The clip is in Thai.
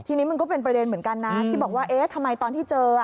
ทีนี้มันก็เป็นประเด็นเหมือนกันนะที่บอกว่าเอ๊ะทำไมตอนที่เจอ